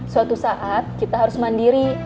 suatu saat kita harus mandiri